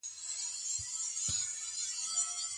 که د سیند غاړې پخې سي، نو اوبه کورونو ته نه اوړي.